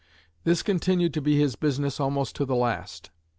This continued to be his business almost to the last.